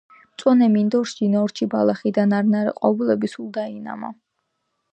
მწვანე მინდორში ნორჩი ბალახი და ნარნარა ყვავილები სულ დაინამა.